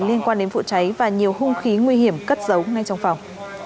liên quan đến vụ cháy và nhiều hung khí nguy hiểm cất giấu ngay trong phòng